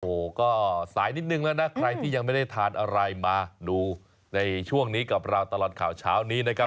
โอ้โหก็สายนิดนึงแล้วนะใครที่ยังไม่ได้ทานอะไรมาดูในช่วงนี้กับเราตลอดข่าวเช้านี้นะครับ